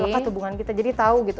apa hubungan kita jadi tahu gitu